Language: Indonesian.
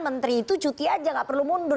menteri itu cuti aja gak perlu mundur